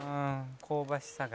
「香ばしさが」